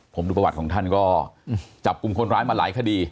ผมดูประวัติของท่านก็จับกลุ่มคนร้ายมาหลายคดี